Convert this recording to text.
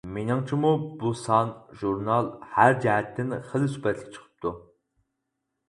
مېنىڭچىمۇ بۇ سان ژۇرنال ھەر جەھەتتىن خېلى سۈپەتلىك چىقىپتۇ.